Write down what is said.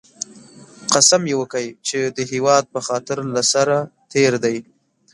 قسم یې وکی چې د هېواد په خاطر له سره تېر دی